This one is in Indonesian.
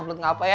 perut gak apa ya